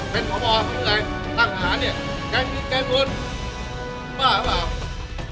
เป็นของมอยู่ในทางหาเนี่ยแก่แก่หมุนบ้าบ้าบ้า